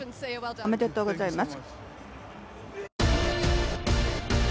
おめでとうございます。